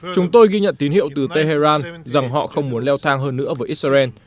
chúng tôi ghi nhận tín hiệu từ tehran rằng họ không muốn leo thang hơn nữa với israel